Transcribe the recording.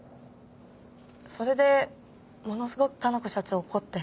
それでものすごく香奈子社長怒って。